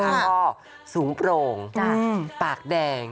แล้วก็สูงโปร่งปากแดง